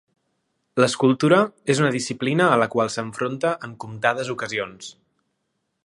L'escultura és una disciplina a la qual s'enfronta en comptades ocasions.